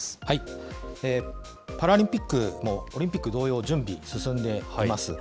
パラリンピックもオリンピック同様、準備、進んでいます。